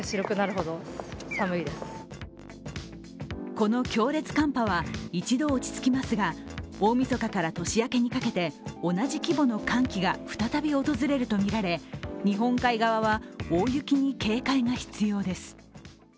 この強烈寒波は一度落ち着きますが、大みそかから年明けにかけて同じ規模の寒気が再び訪れるとみられ、日本海側は大雪に警戒が必要です。